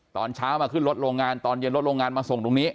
ตอนเช้ามาขึ้นรถโรงงานตอนเย็นรถโรงงานมาส่งตรงนี้